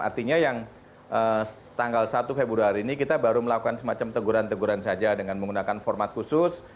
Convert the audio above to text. artinya yang tanggal satu februari ini kita baru melakukan semacam teguran teguran saja dengan menggunakan format khusus